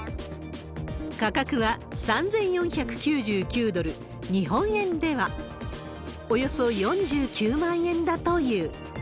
価格は３４９９ドル、日本円ではおよそ４９万円だという。